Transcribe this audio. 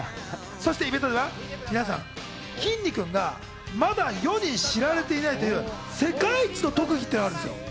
そしてイベントでは、きんに君がまだ世に知られていないという世界一の特技っていうのがあるんですよ。